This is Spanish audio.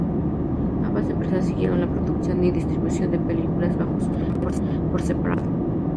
Ambas empresas siguieron la producción y distribución de películas bajo sus nombres por separado.